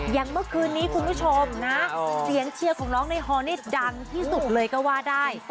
อย่างเมื่อคืนนี้คุณผู้ชมนะเสียงเชียร์ของน้องในฮอนี่ดังที่สุดเลยก็ว่าได้